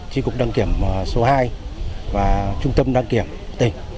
tri cục đăng kiểm số hai và trung tâm đăng kiểm tỉnh